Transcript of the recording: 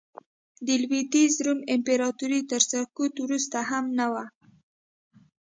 د لوېدیځ روم امپراتورۍ تر سقوط وروسته هم نه و